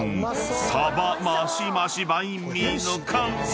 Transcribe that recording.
鯖マシマシバインミーの完成］